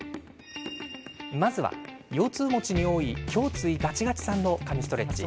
まずは、腰痛持ちに多い胸椎ガチガチさんの神ストレッチ。